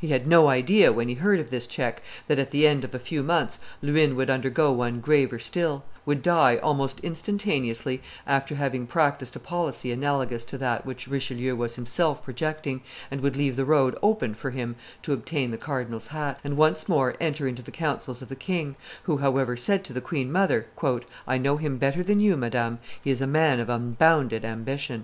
He had no idea, when he heard of this check, that at the end of a few months Luynes would undergo one graver still, would die almost instantaneously after having practised a policy analogous to that which Richelieu was himself projecting, and would leave the road open for him to obtain the cardinal's hat, and once more enter into the councils of the king, who, however, said to the queen mother, "I know him better than you, madame; he is a man of unbounded ambition."